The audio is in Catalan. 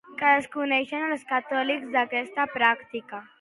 Què desconeixien, els catòlics, d'aquesta pràctica?